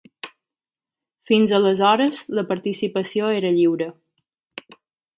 Fins aleshores la participació era lliure.